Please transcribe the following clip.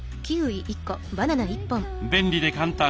便利で簡単！